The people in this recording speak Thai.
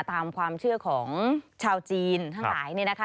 ตามความเชื่อของชาวจีนหลายนะคะ